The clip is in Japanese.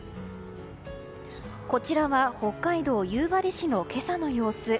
こちらは北海道夕張市の今朝の様子。